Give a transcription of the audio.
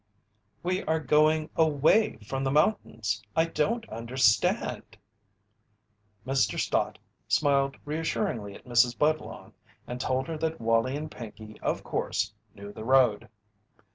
"We are going away from the mountains I don't understand " Mr. Stott smiled reassuringly at Mrs. Budlong and told her that Wallie and Pinkey, of course, knew the road.